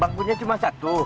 bang punya cuma satu